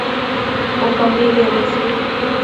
او کمبی گینی سی